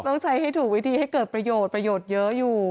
ต้องใช้ให้ถูกวิธีให้เกิดประโยชน์ประโยชน์เยอะอยู่